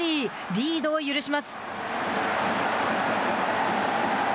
リードを許します。